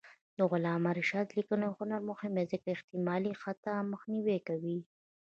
د علامه رشاد لیکنی هنر مهم دی ځکه چې احتمالي خطا مخنیوی کوي.